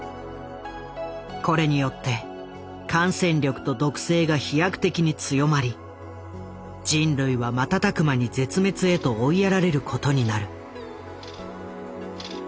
これによって感染力と毒性が飛躍的に強まり人類は瞬く間に絶滅へと追いやられることになる。